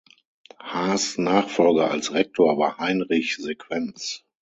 Haas' Nachfolger als Rektor war Heinrich Sequenz.